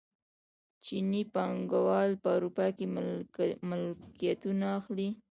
چیني پانګوال په اروپا کې ملکیتونه اخلي.